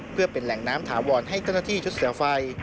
เพื่อเป็นแหล่งน้ำถาวรให้เจ้าหน้าที่ชุดเสือไฟ